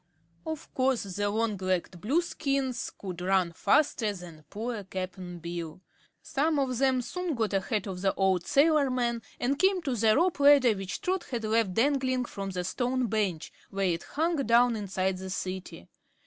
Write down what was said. Of course the long legged Blueskins could run faster than poor Cap'n Bill. Some of them soon got ahead of the old sailorman and came to the rope ladder which Trot had left dangling from the stone bench, where it hung down inside the City.